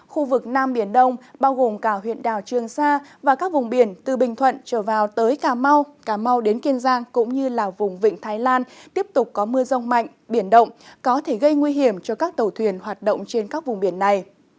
khu vực nam biển đông bao gồm cả huyện đảo trương sa và các vùng biển từ bình thuận trở vào tới cà mau cà mau đến kiên giang cũng như vùng vịnh thái lan tiếp tục có mưa rông mạnh biển động có thể gây nguy hiểm cho các tàu thuyền hoạt động trên các vùng biển này